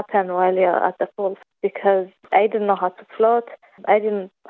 karena saya tidak tahu bagaimana untuk berpindah ke dunia